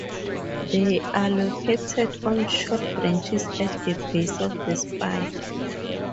They are located on short branches at the base of the spike.